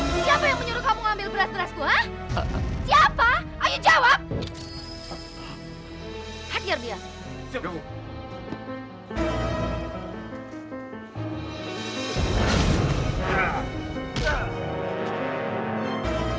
siapa yang menyuruh kamu ambil beras berasku